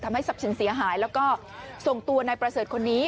ทำให้ทรัพย์สินเสียหายแล้วก็ส่งตัวนายประเสริฐคนนี้